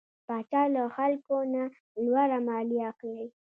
پاچا له خلکو نه لوړه ماليه اخلي .